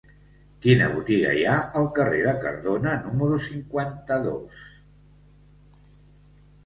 Quina botiga hi ha al carrer de Cardona número cinquanta-dos?